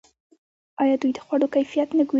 آیا دوی د خوړو کیفیت نه ګوري؟